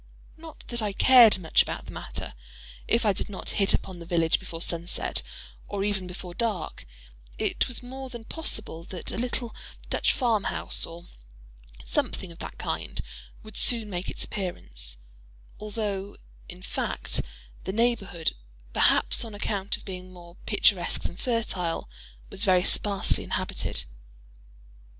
Not that I cared much about the matter. If I did not hit upon the village before sunset, or even before dark, it was more than possible that a little Dutch farmhouse, or something of that kind, would soon make its appearance—although, in fact, the neighborhood (perhaps on account of being more picturesque than fertile) was very sparsely inhabited.